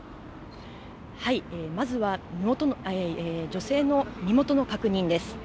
まずは女性の身元の確認です。